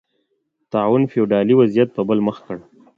طاعون فیوډالي وضعیت په بل مخ کړ